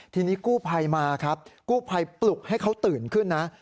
ทีนี้กู้ภัยมาครับกู้ภัยปลุกให้เขาตื่นขึ้นนะ